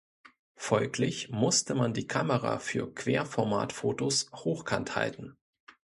Folglich musste man die Kamera für Querformat-Fotos hochkant halten.